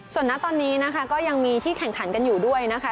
ส่วนณตอนนี้นะคะก็ยังมีที่แข่งขันกันอยู่ด้วยนะคะ